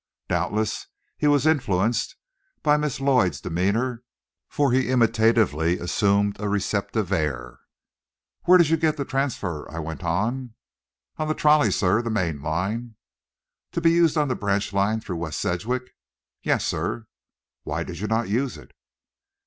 Doubtless he was influenced by Miss Lloyd's demeanor, for he imitatively assumed a receptive air. "Where did you get the transfer?" I went on. "On the trolley, sir; the main line." "To be used on the Branch Line through West Sedgwick?" "Yes, sir." "Why did you not use it?"